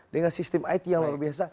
dengan sistem it yang luar biasa